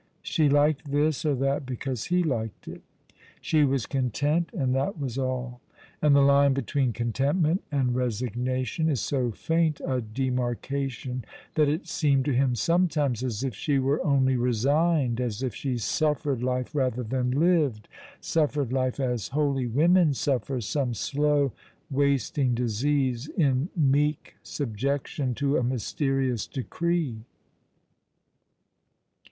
She liked this or that because he liked it. She was content, and that was all. And the line between contentment and resignation is so faint a demarcation that it seemed to him sometimes as if she were only resigned, as if she suffered life rather than lived — suffered life as holy women suffer some slow, wasting disease, in meek subjection to a mysterious decree.